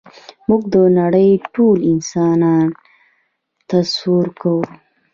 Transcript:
موږ د نړۍ ټول انسانان تصور کوو.